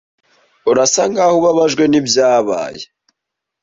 Urasa nkaho ubabajwe nibyabaye.